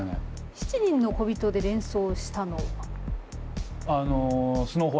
七人のこびとで連想したのは？